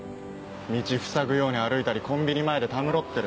道ふさぐように歩いたりコンビニ前でたむろってる。